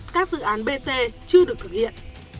các dự án bt chưa được thực hiện